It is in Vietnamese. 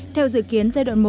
theo dự kiến giai đoạn một